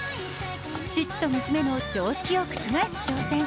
父と娘の常識を覆す挑戦。